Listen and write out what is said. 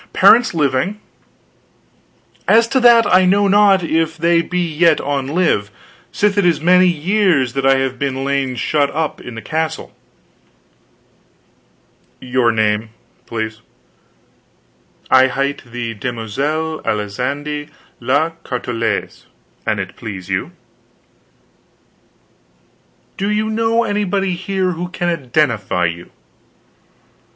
Parents living?" "As to that, I know not if they be yet on live, sith it is many years that I have lain shut up in the castle." "Your name, please?" "I hight the Demoiselle Alisande la Carteloise, an it please you." "Do you know anybody here who can identify you?"